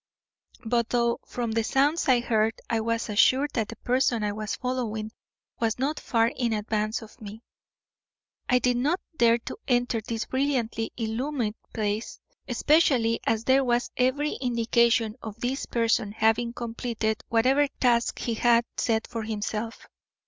But though from the sounds I heard I was assured that the person I was following was not far in advance of me, I did not dare to enter this brilliantly illumined space, especially as there was every indication of this person having completed whatever task he had set for himself.